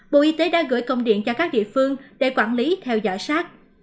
bộ y tế đã gửi công điện cho các địa phương để quản lý theo dõi sát